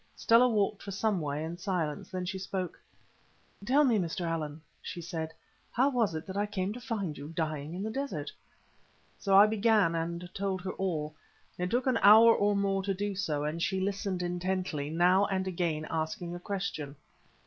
Stella walked for some way in silence, then she spoke. "Tell me, Mr. Allan," she said, "how it was that I came to find you dying in the desert?" So I began and told her all. It took an hour or more to do so, and she listened intently, now and again asking a question.